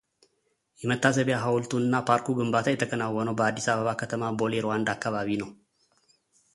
የመታሰቢያ ሐውልቱ እና ፓርኩ ግንባታ የተከናወነው በአዲስ አበባ ከተማ ቦሌ ርዋንዳ አካባቢ ነው፡፡